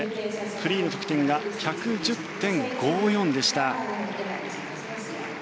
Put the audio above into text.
フリーの得点が１１０．５４でした。